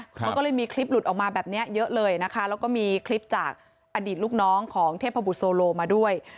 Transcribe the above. มันก็เลยมีคลิปหลุดออกมาแบบนี้เยอะเลยนะคะแล้วก็มีคลิปจากอดีตลูกน้องของเทพบุตรโซโลมาด้วย